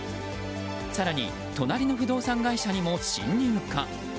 更に隣の不動産会社にも侵入か。